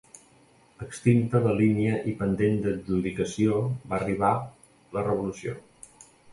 Extinta la línia i pendent d'adjudicació va arribar la revolució.